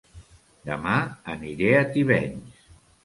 Dema aniré a Tivenys